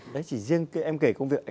đấy chỉ riêng em kể công việc